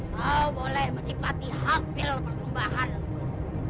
kau boleh menikmati hasil persembahan ku